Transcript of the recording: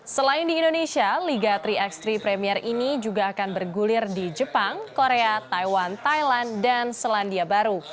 selain di indonesia liga tiga x tiga premier ini juga akan bergulir di jepang korea taiwan thailand dan selandia baru